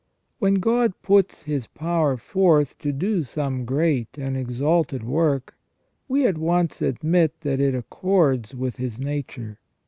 When God puts His power forth to do some great and exalted work, we at once admit that it accords with His nature.